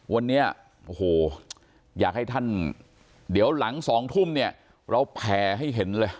วันนี้โอ้โหอยากให้ท่านเดี๋ยวหลัง๒ทุ่มเนี่ยเราแผ่ให้เห็นเลย